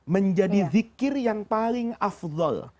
menjadi zikir yang paling afdol